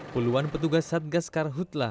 puluhan petugas satgas karhutlah